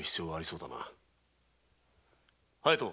隼人。